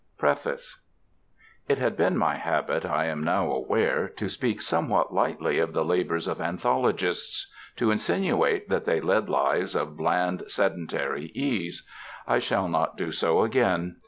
PREFACE IT had been my habit, I am now aware, to speak somewhat lightly of the labors of anthologists: to insinuate that they led lives of bland sedentary ease. I shall not do so again.